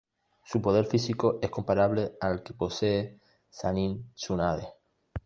Su poder físico es comparable al que posee la sannin Tsunade.